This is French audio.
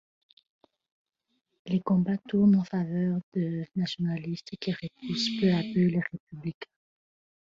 Les combats tournent en faveur des nationalistes, qui repoussent peu à peu les républicains.